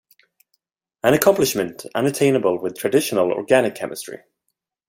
An accomplishment unattainable with traditional organic chemistry.